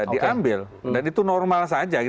diambil dan itu normal saja